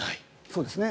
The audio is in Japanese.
そうですね。